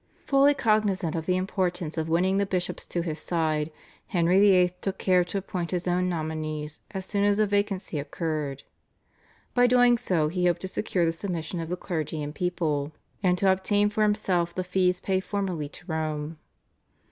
Fully cognisant of the importance of winning the bishops to his side, Henry VIII. took care to appoint his own nominees as soon as a vacancy occurred. By doing so he hoped to secure the submission of the clergy and people, and to obtain for himself the fees paid formerly to Rome.